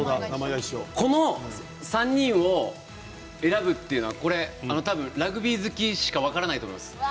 この３人を選ぶというのはラグビー好きしか分からないと思います。